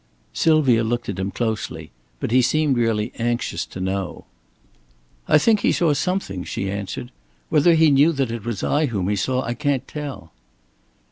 Sylvia looked at him closely. But he seemed really anxious to know. "I think he saw something," she answered. "Whether he knew that it was I whom he saw, I can't tell."